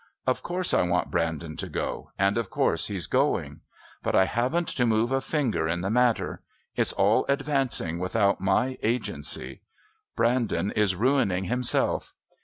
Of course I want Brandon to go, and of course he's going. But I haven't to move a finger in the matter. It's all advancing without my agency. Brandon is ruining himself.